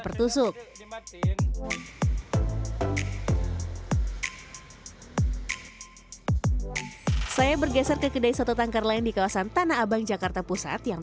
bertusuk jembatan saya bergeser ke kedai soto tangkar lain di kawasan tanah abang jakarta pusat yang